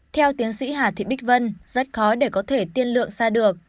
theo tiến sĩ hà thị bích vân rất khó để có thể tiên lượng xa được